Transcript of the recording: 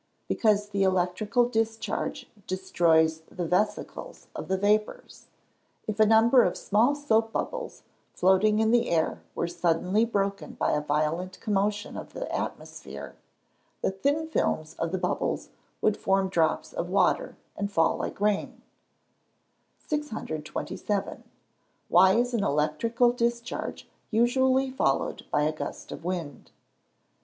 _ Because the electrical discharge destroys the vescicles of the vapours. If a number of small soap bubbles floating in the air were suddenly broken by a violent commotion of the atmosphere, the thin films of the bubbles would form drops of water, and fall like rain. 627. _Why is an electrical discharge usually followed by a gust of wind?